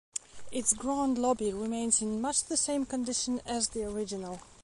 Its grand lobby remains in much the same condition as the original.